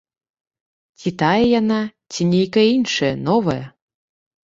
Ці тая яна, ці нейкая іншая, новая.